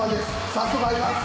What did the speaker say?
早速入ります。